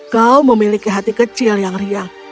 kau memiliki hati kecil yang riang